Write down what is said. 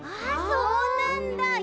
あそうなんだ！